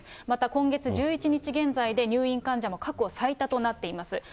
また今月１１日現在で、入院患者も過去最多となっています。